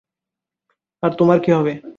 আর তোমার কী হবে?